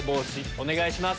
お願いします。